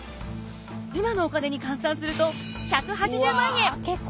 今のお金に換算すると１８０万円！